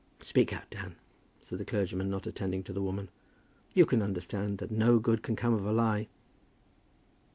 "Speak out, Dan," said the clergyman, not attending to the woman. "You can understand that no good can come of a lie."